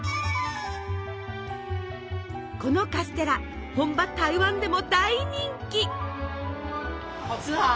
このカステラ本場台湾でも大人気。